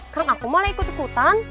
kan aku malah ikut ikutan